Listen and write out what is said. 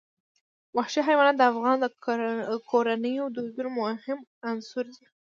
وحشي حیوانات د افغان کورنیو د دودونو مهم عنصر دی.